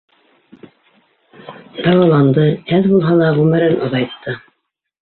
Дауаланды, әҙ булһа ла ғүмерен оҙайтты.